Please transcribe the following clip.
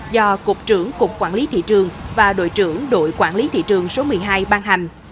do cục trưởng cục quản lý thị trường và đội trưởng đội quản lý thị trường số một mươi hai ban hành